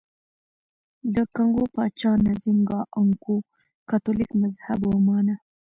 د کانګو پاچا نزینګا ا نکؤو کاتولیک مذهب ومانه.